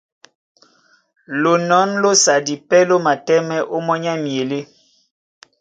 Lonɔ̌n lósadi pɛ́ ló matɛ́mɛ́ ómɔ́ny á myelé.